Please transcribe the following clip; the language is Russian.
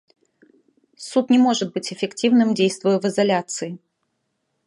Суд не может быть эффективным, действуя в изоляции.